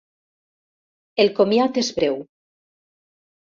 El comiat és breu.